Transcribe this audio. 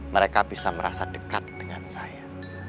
mereka bisa merasa dekat dengan saya